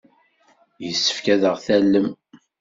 Yessefk ad aɣ-tallem.